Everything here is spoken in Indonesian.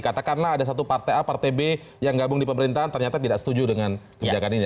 katakanlah ada satu partai a partai b yang gabung di pemerintahan ternyata tidak setuju dengan kebijakan ini